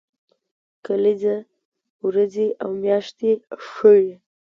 کلیزه ورځې او میاشتې ښيي